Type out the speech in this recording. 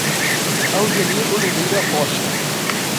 Alzenir Oliveira Rocha